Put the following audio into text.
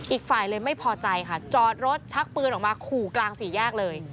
อีกฝ่ายเลยไม่พอใจค่ะจอดรถชักปืนออกมาขู่กลางสี่แยกเลย